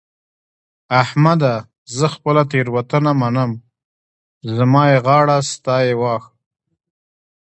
احمده! زه خپله تېرونته منم؛ زما يې غاړه ستا يې واښ.